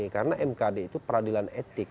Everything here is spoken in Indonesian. karena mkd itu peradilan etik